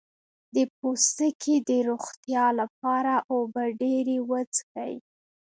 د پوستکي د روغتیا لپاره اوبه ډیرې وڅښئ